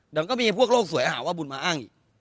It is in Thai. เดี๋ยวก็มีพวกโลกสวยหาว่าบุญมาอ้างอีก